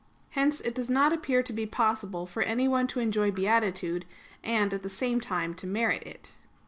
Hence it does not appear to be possible for anyone to enjoy beatitude, and at the same time to merit it.